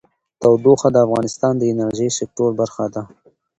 تودوخه د افغانستان د انرژۍ سکتور برخه ده.